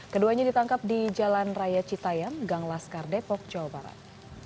keduanya ditangkap di jalan raya citayam gang laskar depok jawa barat